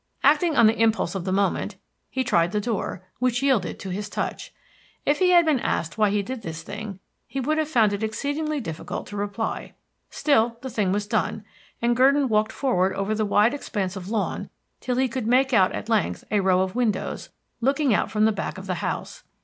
Acting on the impulse of the moment he tried the door, which yielded to his touch. If he had been asked why he did this thing he would have found it exceedingly difficult to reply. Still, the thing was done, and Gurdon walked forward over the wide expanse of lawn till he could make out at length a row of windows, looking out from the back of the house.